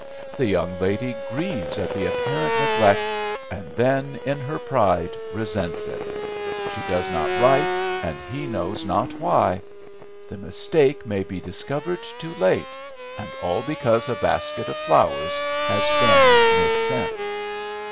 The young lady grieves at the apparent neglect, and then, in her pride, resents it. She does not write, and he knows not why. The mistake may be discovered too late, and all because a basket of flowers has been missent."